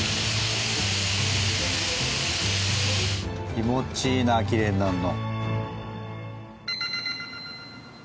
気持ちいいなあきれいになるの。